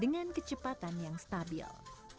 dengan kecepatan yang stabil